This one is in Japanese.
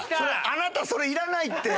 あなたそれいらないって。